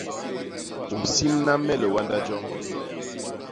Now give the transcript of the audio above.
U simna me liwanda joñ.